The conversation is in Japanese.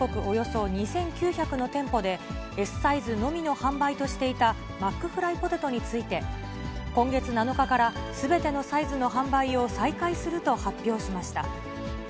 およそ２９００の店舗で、Ｓサイズのみの販売としていたマックフライポテトについて、今月７日から、すべてのサイズの販売を再開すると発表しました。